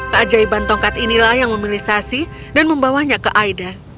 keajaiban tongkat inilah yang memilisasi dan membawanya ke aiden